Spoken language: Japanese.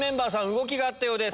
動きがあったようです